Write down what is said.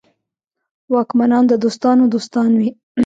واکمنان د دوستانو دوستان وي.